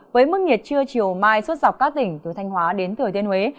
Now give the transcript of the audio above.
với mức nhiệt trưa chiều mai xuất dọc các tỉnh từ thanh hóa đến thừa thiên huế